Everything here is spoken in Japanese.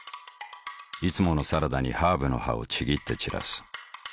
いつものサラダにハーブの葉をちぎって散らす。